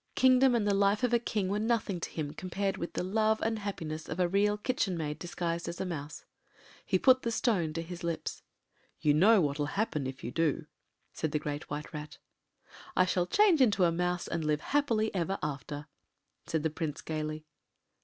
Kingdom and the life of a king were nothing to him compared with the love and happiness of a Real Kitchen Maid disguised as a mouse. He put the stone to his lips. “You know what’ll happen if you do,” said the Great White Rat. “I shall change into a mouse and live happy ever after,” said the Prince gaily.